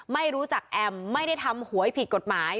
ไม่รู้จักแอมไม่ได้ทำหวยผิดกฎหมาย